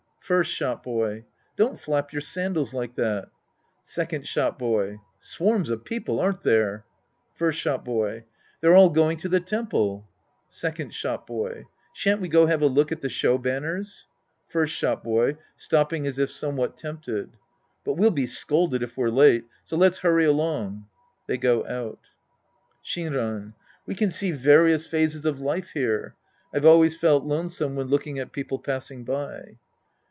First Shop boy. Don't flap your sandals like that. Second Shop boy. Swarms of people, aren't there ? First Shop boy. They're all going to the temple. Second Shop boy. Shan't we go have a look at the show banners ? First Shop boy {stopping as if somewhat teinptecf). But we'll be scolded if we're late, so let's hurry along. {They go out.) Shinran. We can see various phases of life here. I've al.vays felt lonesome when looking at people passing by.